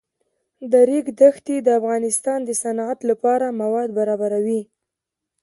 د ریګ دښتې د افغانستان د صنعت لپاره مواد برابروي.